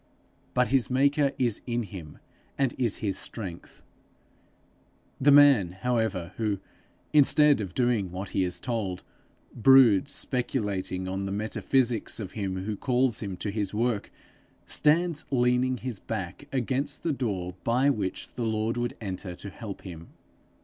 But his maker is in him, and is his strength. The man, however, who, instead of doing what he is told, broods speculating on the metaphysics of him who calls him to his work, stands leaning his back against the door by which the Lord would enter to help him.